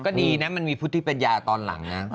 ก็ดีนะมันมีพุทธปัญญาตอนหลังนะ